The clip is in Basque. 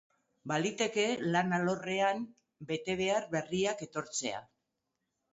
Baliteke lan alorrean betebehear berriak etortzea.